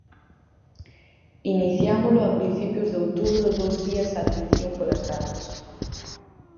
Iniciámolo a principios de outubro dous días á atención polas tardes.